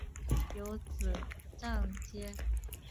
有子章碣。